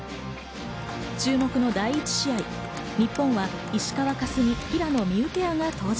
注目の第１試合、日本は石川佳純、平野美宇ペアが登場。